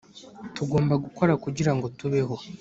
Tugomba gukora kugira ngo tubeho